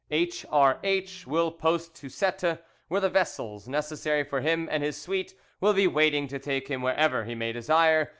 H.R.H. will post to Cette, where the vessels necessary for him and his suite will be waiting to take him wherever he may desire.